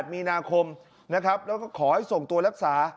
มีนาคมนะครับแล้วก็ขอให้ส่งตัวรักษา